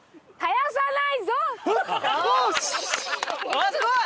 あっすごい！